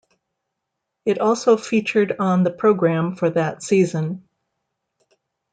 It also featured on the programme for that season.